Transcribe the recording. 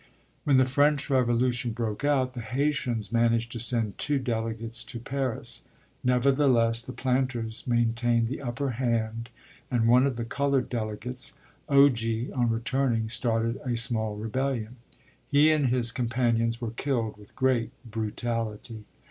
When the French Revolution broke out, the Haytians managed to send two delegates to Paris. Nevertheless the planters maintained the upper hand, and one of the colored delegates, Oge, on returning, started a small rebellion. He and his companions were killed with great brutality.